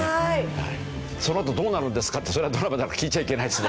そのあとどうなるんですかってそれはドラマだから聞いちゃいけないですね。